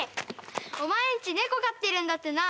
お前んち猫飼ってるんだってな？